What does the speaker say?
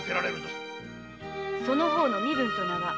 その方の身分と名は？